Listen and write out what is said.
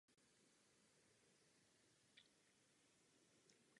Vodopád je přístupný ze dvou směrů.